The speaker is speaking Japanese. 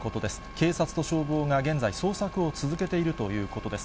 警察と消防が現在、捜索を続けているということです。